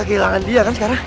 kehilangan dia kan sekarang